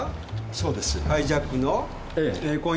そうです。